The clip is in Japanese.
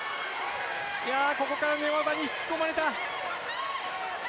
ここから寝技に引き込まれた。